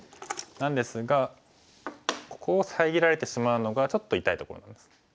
なんですがここを遮られてしまうのがちょっと痛いところなんです。